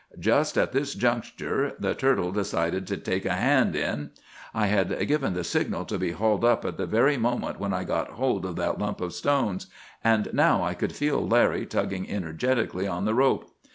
"'Just at this juncture the turtle decided to take a hand in. I had given the signal to be hauled up at the very moment when I got hold of that lump of stones, and now I could feel Larry tugging energetically on the rope.